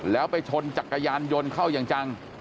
แล้วไปชนจักรยานยนต์เข้าอย่างจัง